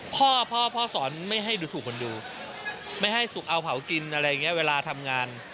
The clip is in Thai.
พ่อพ่อสอนไม่ให้ดูถูกคนดูไม่ให้สุขเอาเผากินอะไรอย่างนี้เวลาทำงาน